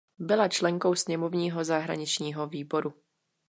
Byla členkou sněmovního zahraničního výboru.